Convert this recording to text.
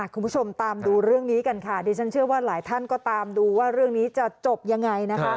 คุณผู้ชมตามดูเรื่องนี้กันค่ะดิฉันเชื่อว่าหลายท่านก็ตามดูว่าเรื่องนี้จะจบยังไงนะคะ